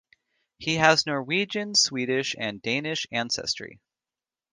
He has Norwegian, Swedish, and Danish ancestry.